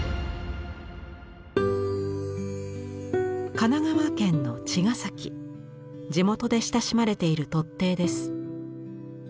神奈川県の茅ヶ崎地元で親しまれている突堤です。